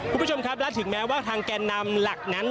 คุณผู้ชมครับและถึงแม้ว่าทางแก่นำหลักนั้น